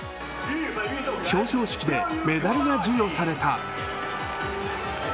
表彰式でメダルが授与された。